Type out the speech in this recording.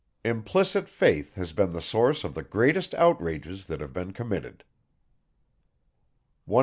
Implicit faith has been the source of the greatest outrages that have been committed. 170.